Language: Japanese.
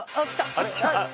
あれ来た？